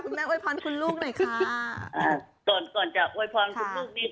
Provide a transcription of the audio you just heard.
ก่อนก่อนจะกอเราคุณลูกนี้